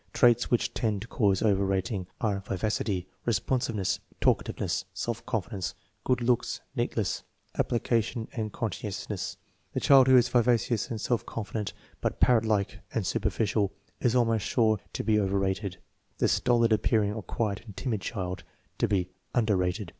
Traits which tend to cause over rating are vivacity, responsiveness, talkativeness, self confidence, good looks, neatness, application, and conscientiousness. The child who is vivacious and self confident, but parrot like and superficial, is almost sure to be over rated; the stolid appearing or quiet and timid child, to be under rated.